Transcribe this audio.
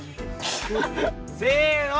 せの。